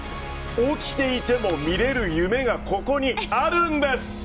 起きていても見れる夢がここにあるんです。